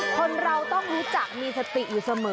คนเราต้องรู้จักมีสติอยู่เสมอ